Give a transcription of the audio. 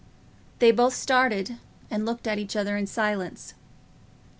They both started, and looked at each other in silence.